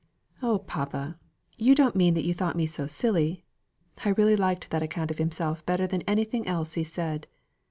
"Oh, papa! you don't mean that you thought me so silly? I really liked that account of himself better than anything else he said.